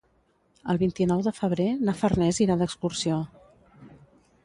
El vint-i-nou de febrer na Farners irà d'excursió.